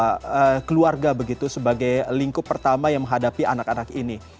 bagaimana kamu mengatakan bagaimana keluarga begitu sebagai lingkup pertama yang menghadapi anak anak ini